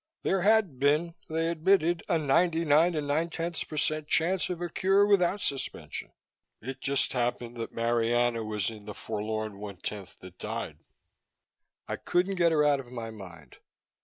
There had been, they admitted, a ninety nine and nine tenths per cent prospect of a cure without suspension.... It just happened that Marianna was in the forlorn one tenth that died. I couldn't get her out of my mind.